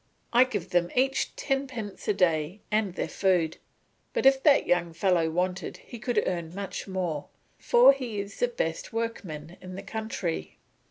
"I give them each tenpence a day and their food; but if that young fellow wanted he could earn much more, for he is the best workman in the country."